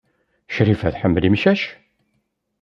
Crifa tḥemmel imcac?